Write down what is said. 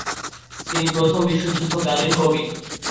তিনি প্রথম প্রথম বিশ্বযুদ্ধকালীন কবি।